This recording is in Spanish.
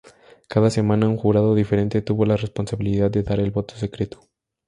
Cada semana un jurado diferente, tuvo la responsabilidad de dar el voto secreto.